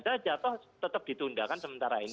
saya jatuh tetap ditunda kan sementara ini